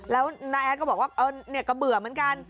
แล้วน้าแอดก็บอกว่าก็เบื่อเหมือนกัน